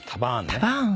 タバーン。